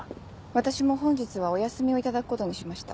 私も本日はお休みを頂くことにしました。